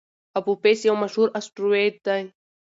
اپوفیس یو مشهور اسټروېډ دی.